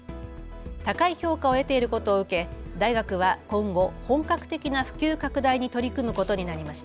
高い評価を得ていることを受け大学は今後、本格的な普及拡大に取り組むことになりました。